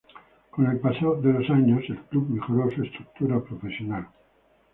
Con el paso de los años, el club mejoró su estructura profesional.